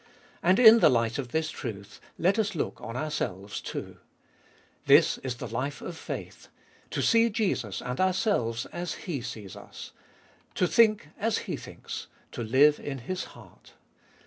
And in the light of this truth let us look on ourselves too. This is the life of faith — to see Jesus and ourselves as He sees us, to think as He thinks, to live in His heart.